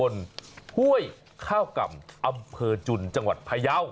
ใช้ข้าวกำธุ์จุดจังหวัดพยาว